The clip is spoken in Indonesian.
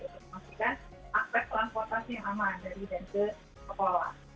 untuk memastikan akses transportasi yang aman dari dan ke sekolah